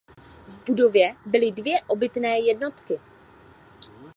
V budově byly dvě obytné jednotky.